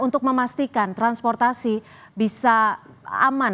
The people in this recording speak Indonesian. untuk memastikan transportasi bisa aman